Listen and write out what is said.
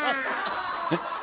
えっ。